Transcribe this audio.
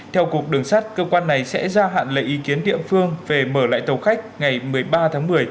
theo cục đường sát cơ quan này sẽ ra hạn lấy ý kiến địa phương về mở lại tàu khách ngày một mươi ba tháng một mươi